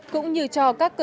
cũng như cho các cháu